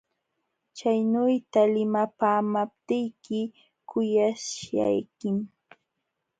Chaynuyta limapaamaptiyki kuyaśhaykim.